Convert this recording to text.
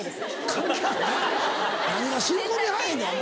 関係何が吸い込み早いねんお前。